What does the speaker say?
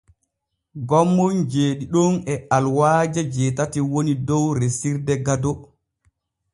Gommon jeeɗiɗon e aluwaaje jeetati woni dow resirde Gado.